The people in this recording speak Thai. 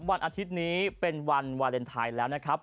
วันอาทิตย์นี้เป็นวันวาเลนไทยแล้วนะครับ